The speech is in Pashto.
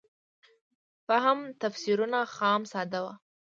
فهم تفسیرونه خام ساده وو.